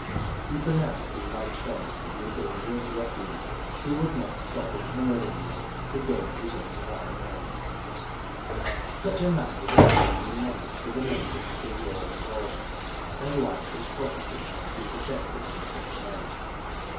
He pronounced Eli Spence to be a dangerous ruffian, who would not stop at murder even to Digitized byGoogk TRIED AND CONVICTED. 243 gain his own vile ends. Such a man was a standing menace to the maintenance of law and order, and life and property must be protected from such men.